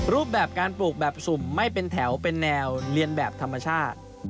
รูปแบบการปลูกแบบสุ่มไม่เป็นแถวเป็นแนวเรียนแบบธรรมชาติ